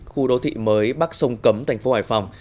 khu đô thị mới bắc sông cấm thành phố hải phòng